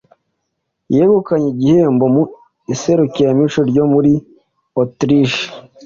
yegukanye igihembo mu iserukiramuco ryo muri Autriche